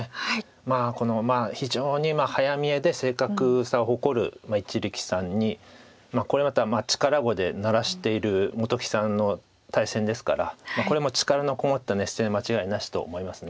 まあこの非常に早見えで正確さを誇る一力さんにこれまた力碁で鳴らしている本木さんの対戦ですからこれも力のこもった熱戦間違いなしと思います。